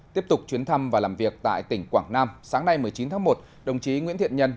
tiếp tục chuyến thăm và làm việc tại tỉnh quảng nam sáng nay một mươi chín tháng một đồng chí nguyễn thiện nhân